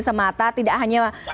semata tidak hanya